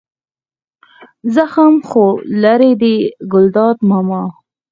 زرخم خو لېرې دی ګلداد ماما.